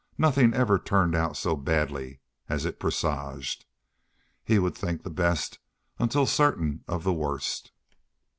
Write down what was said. Nothing ever turned out so badly as it presaged. He would think the best until certain of the worst.